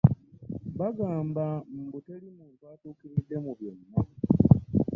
Bagamba mbu teri muntu atuukiridde mu byonna.